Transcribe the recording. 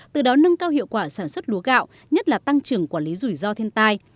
từ đó nâng cao hiệu quả sản xuất lúa gạo nhất là tăng trưởng quản lý rủi ro thiên tai